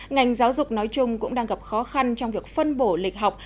ngành giáo dục nói chung cũng đang gặp khó khăn trong việc phân bổ lịch học